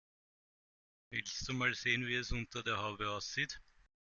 Willst du mal sehen, wie es unter der Haube aussieht?